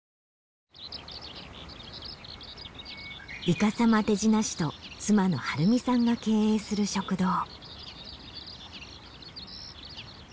いかさま手品師と妻の張美さんが経営する食堂。